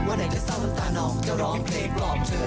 วันไหนจะเศร้าต่างน้องจะร้องเพลย์ปลอมเธอ